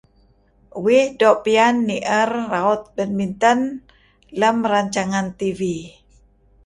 Uih doo pian nier raut badminton lem rancangan TV.